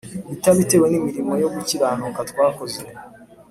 itabitewe n'imirimo yo gukiranuka twakoze,